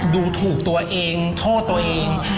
ดูถูกตัวเองโทษตัวเอง